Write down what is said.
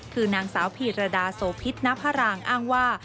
คือนางสาวพีรดาโสพิษณภารางอ้างว่า